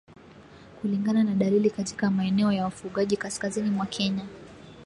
kulingana na dalili katika maeneo ya wafugaji kaskazini mwa Kenya